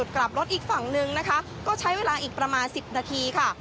กลับรถอีกฝั่งนึงนะคะก็ใช้เวลาอีกประมาณ๑๐นาทีค่ะ